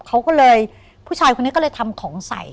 เขาก็เลยผู้ชายคนนี้ก็เลยทำของใส่